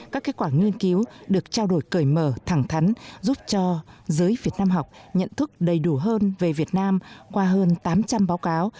các kết quả nghiên cứu được trao đổi cởi mở thẳng thắn giúp cho giới việt nam học nhận thức đầy đủ hơn về việt nam qua hơn tám trăm linh báo cáo